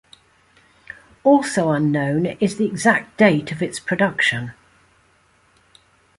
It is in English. Also unknown is the exact date of its production.